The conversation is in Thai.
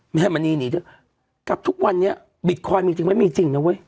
แม่มณีหนีด้วยกับทุกวันนี้บิตคอยน์มีจริงไม่มีจริงนะเว้ย